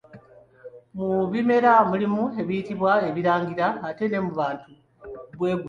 Mu bimera mulimu ebiyitibwa ebirangira ate ne mu bantu bwe gutyo.